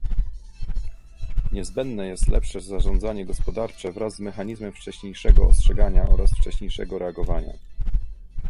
Niezbędne jest lepsze zarządzanie gospodarcze wraz z mechanizmem wcześniejszego ostrzegania oraz wcześniejszego reagowania